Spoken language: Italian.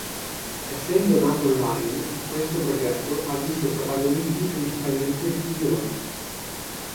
Essendo nato online, questo progetto ha visto protagonisti principalmente i giovani.